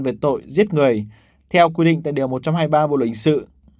về tội giết người theo quy định tại điều một trăm hai mươi ba bộ luyện sự